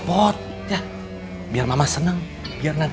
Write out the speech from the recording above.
buat ke belakang nek